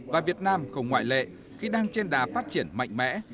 và việt nam không ngoại lệ khi đang trên đà phát triển mạnh mẽ